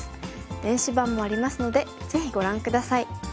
電子版もありますのでぜひご覧下さい。